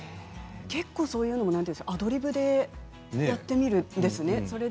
結構、そういうのはアドリブでやってみるんですね。